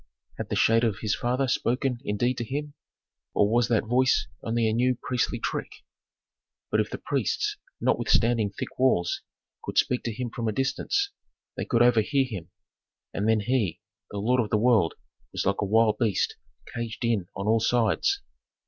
Had the shade of his father spoken indeed to him, or was that voice only a new priestly trick?" But if the priests, notwithstanding thick walls, could speak to him from a distance, they could overhear him. And then he, the lord of the world, was like a wild beast caged in on all sides.